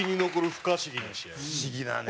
不思議だね。